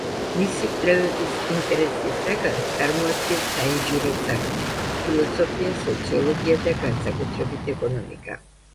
მისი კვლევების ინტერესის საგანს წარმოადგენს საინჟინრო საქმე, ფილოსოფია, სოციოლოგია და განსაკუთრებით ეკონომიკა.